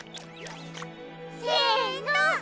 せの！